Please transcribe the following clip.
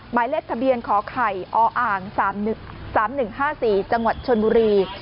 หมายเลขทะเบียนขอไข่ออ่าง๓๑๕๔จังหวัดชนบุรี